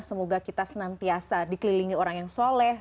semoga kita senantiasa dikelilingi orang yang soleh